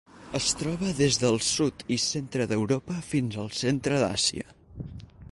Es troba des del sud i centre d'Europa fins al centre d'Àsia.